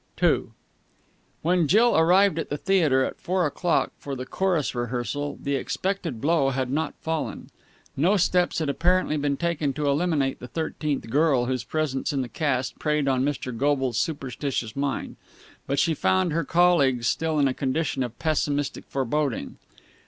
II When Jill arrived at the theatre at four o'clock for the chorus rehearsal, the expected blow had not fallen. No steps had apparently been taken to eliminate the thirteenth girl whose presence in the cast preyed on Mr. Goble's superstitious mind. But she found her colleagues still in a condition of pessimistic foreboding.